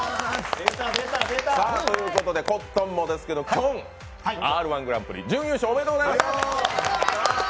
コットンもですけどきょん、Ｒ−１グランプリ準優勝おめでとうございます！